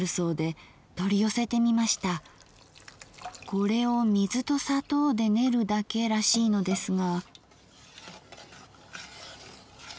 これを水と砂糖で練るだけらしいのですが？